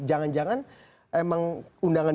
jangan jangan emang undangan